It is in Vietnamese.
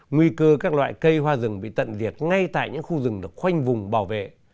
nguy cơ các loại cây hoa rừng bị tận diệt ngay tại những khu rừng được khoanh vùng bảo vệ